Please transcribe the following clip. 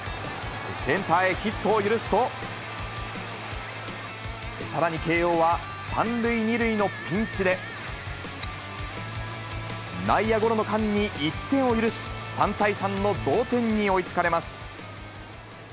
センターへヒットを許すと、さらに慶応は３塁２塁のピンチで、内野ゴロの間に１点を許し、３対３の同点に追いつかれます。